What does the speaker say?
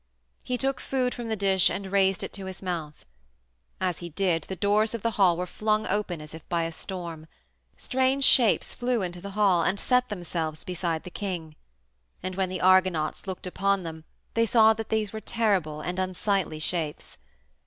He took food from the dish and raised it to his mouth. As he did, the doors of the hall were flung open as if by a storm. Strange shapes flew into the hall and set themselves beside the king. And when the Argonauts looked upon them they saw that these were terrible and unsightly shapes.